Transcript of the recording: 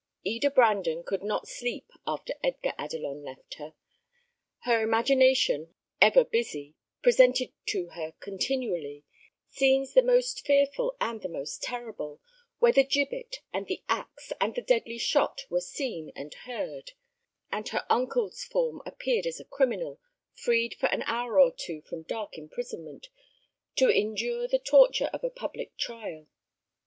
Eda Brandon could not sleep after Edgar Adelon left her; her imagination, ever busy, presented to her continually scenes the most fearful and the most terrible, where the gibbet, and the axe, and the deadly shot were seen and heard; and her uncle's form appeared as a criminal, freed for an hour or two from dark imprisonment, to endure the torture of a public trial.